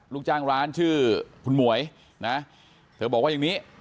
ลูกจ้างร้านชื่อคุณหมวยนะเธอบอกว่าอย่างนี้